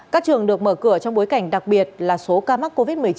các trường được mở cửa trong bối cảnh đặc biệt là số ca mắc covid một mươi chín